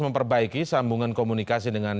memperbaiki sambungan komunikasi dengan